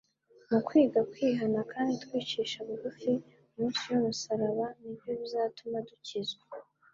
Mu kwiga kwihana kandi twicisha bugufi munsi y'umusaraba ni byo bizatuma dukizwa.